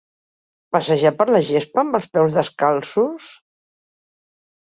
Passejar per la gespa amb els peus descalços?